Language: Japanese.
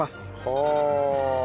はあ。